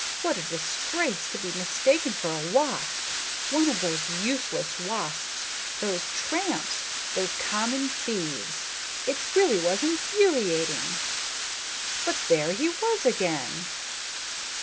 What a disgrace to be mistaken for a wasp, one of those useless wasps, those tramps, those common thieves! It really was infuriating. But there he was again!